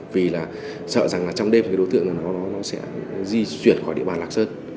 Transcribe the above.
vì sợ rằng trong đêm đối tượng sẽ di chuyển khỏi địa bàn lạc sơn